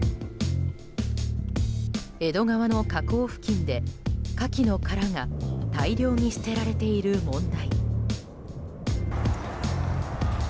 江戸川の河口付近でカキの殻が大量に捨てられている問題。